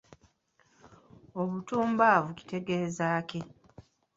Obutumbavu kitegeeza ki?